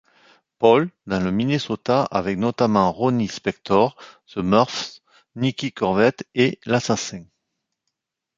Paul, dans le Minnesota avec notamment Ronnie Spector, The Muffs, Nikki Corvette et L'Assassins.